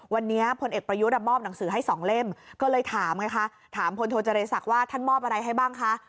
วันนี้พลเอกประยุทธ์มอบหนังสือให้สองเล่มก็เลยถามไงคะถามพลโทเจรศักดิ์ว่าท่านมอบอะไรให้บ้างคะ